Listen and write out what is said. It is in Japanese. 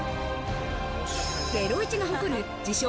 『ゼロイチ』が誇る自称